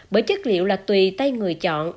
bởi chất liệu là tùy tay người chọn